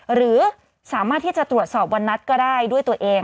หรือสามารถที่จะตรวจสอบวันนัดก็ได้ด้วยตัวเอง